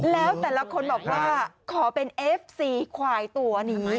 แล้วแต่ละคนบอกว่าขอเป็นเอฟซีควายตัวนี้